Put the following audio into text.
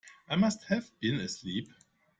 I must have been asleep.